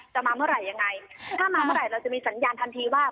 มาเมื่อไหร่ยังไงถ้ามาเมื่อไหร่เราจะมีสัญญาณทันทีว่า